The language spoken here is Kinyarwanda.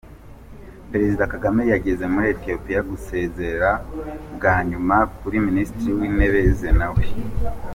Perezida Kagame yageze muri Ethiopia gusezera bwa nyuma kuri Minisitiri w’Intebe Zenawi